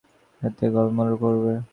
সাহিত্যসেবিগণ হয়তো তা দেখে গালমন্দ করবে।